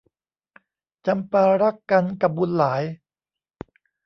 จำปารักกันกับบุญหลาย